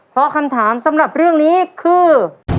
เพราะคำถามสำหรับเรื่องนี้คือ